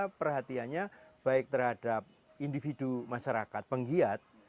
luar biasa perhatiannya baik terhadap individu masyarakat penghiat